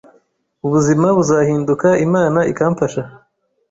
ubuzima buzahinduka Imana ikamfasha.